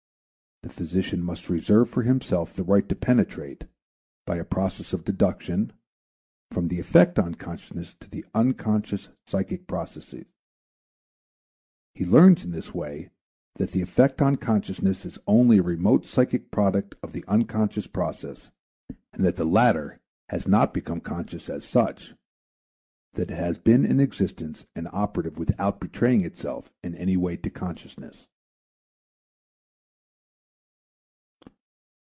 The physician must reserve for himself the right to penetrate, by a process of deduction, from the effect on consciousness to the unconscious psychic process; he learns in this way that the effect on consciousness is only a remote psychic product of the unconscious process and that the latter has not become conscious as such; that it has been in existence and operative without betraying itself in any way to consciousness.